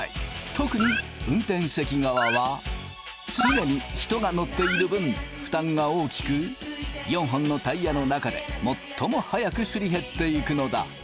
特に運転席側は常に人が乗っている分負担が大きく４本のタイヤの中で最も早くすり減っていくのだ。